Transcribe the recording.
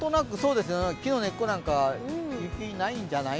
木の根っこなんか雪ないんじゃない？